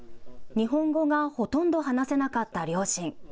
日本語がほとんど話せなかった両親。